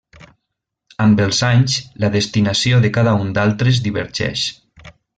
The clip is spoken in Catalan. Amb els anys, la destinació de cada un d'altres divergeix.